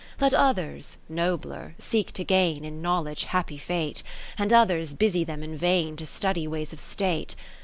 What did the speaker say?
Let others (nobler) seek to gain In knowledge happy fate, 70 And others busy them in vain To study ways of State.